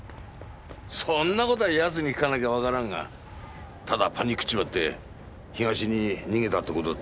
そんな事は奴に聞かなきゃわからんがただパニクっちまって東に逃げたって事だってある。